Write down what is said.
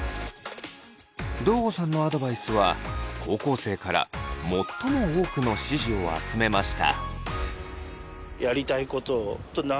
堂後さんのアドバイスは高校生から最も多くの支持を集めました。